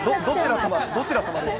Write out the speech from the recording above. どちら様ですか？